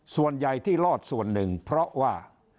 ส่วนใหญ่ที่รอดส่วนหนึ่งเพราะว่า